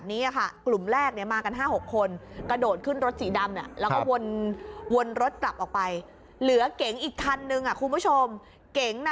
นี่เขามากัน๗๘คนนะ